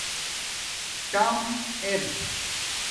ٹآم اِر